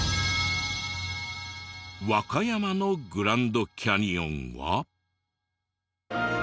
和歌山のグランドキャニオンは。